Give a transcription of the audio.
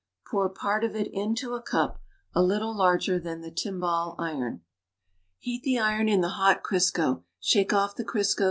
Pour part of it into a cup a little larger than the timbale iron; heat the iron in the hot Crisco; shake off the Crisco.